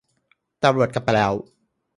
ตำรวจกลับไปแล้ว